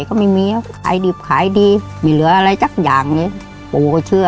เดี๋ยววันหลังจะซื้อ